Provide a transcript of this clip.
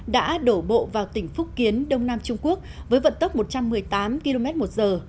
đã đổ bộ vào tỉnh phúc kiến đông nam trung quốc với vận tốc một trăm một mươi tám km một giờ